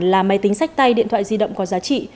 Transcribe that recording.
là máy tính sách tay điện thoại di động có giá trị